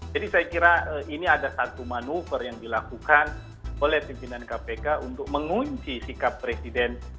jadi saya kira ini ada satu manuver yang dilakukan oleh pimpinan kpk untuk mengunci sikap presiden